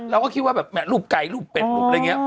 เราก็คิดว่าแบบรูปไก่รูปเป็ดรูปอะไรอย่างนี้